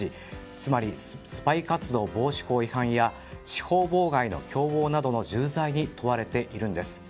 つまり、スパイ防止法違反や司法妨害の共謀などの重罪に問われているんです。